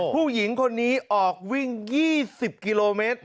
ผู้หญิงคนนี้ออกวิ่ง๒๐กิโลเมตร